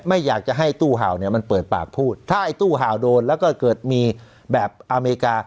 ไม่อยากจะให้ตู้เห่าเนี่ยมันเปิดปากพูดถ้าไอ้ตู้เห่าโดนแล้วก็เกิดมีแบบอเมริกา